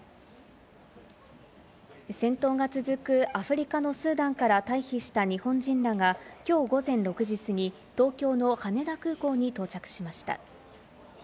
戦闘が続くアフリカのスーダンから退避した日本人らがきょう午前６時過ぎ、東京の羽田空港に到着しました。